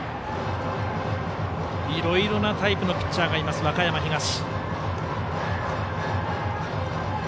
いろいろなタイプのピッチャーがいます、和歌山東。